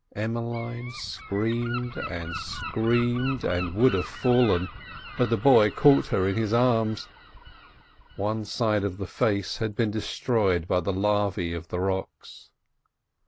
Emmeline screamed, and screamed, and would have fallen, but the boy caught her in his arms—one side of the face had been destroyed by the larvæ of the rocks.